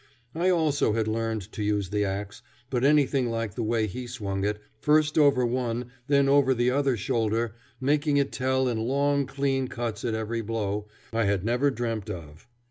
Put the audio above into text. I also had learned to use the axe, but anything like the way he swung it, first over one, then over the other shoulder, making it tell in long, clean cuts at every blow, I had never dreamt of.